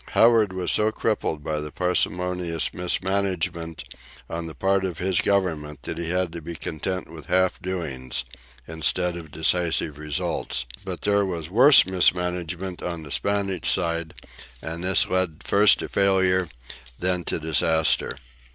Howard was so crippled by parsimonious mismanagement on the part of his Government that he had to be content with "half doings," instead of decisive results. But there was worse mismanagement on the Spanish side, and this led first to failure, then to disaster.